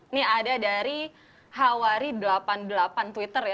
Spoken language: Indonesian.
ini ada dari hawari delapan puluh delapan twitter ya